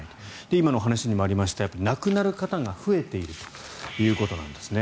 今のお話にもありましたが亡くなる方が増えているということです。